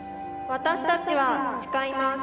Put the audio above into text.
私たちは誓います。